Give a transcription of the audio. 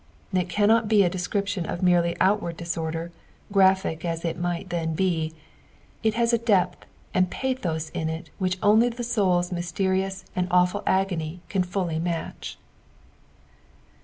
It cannot be a description of merely outward disorder, graphic aa it mii^t then be ; it has a depth and pathos in it which only the soul's mysterious and awful agony caa fully match.